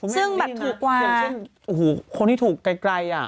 ซึ่งแบบถูกกว่าซึ่งโอ้โหคนที่ถูกไกลอ่ะ